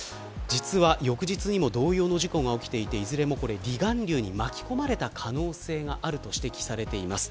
翌日にも同様の事故が起きていていずれも離岸流に巻き込まれた可能性があると指摘されています。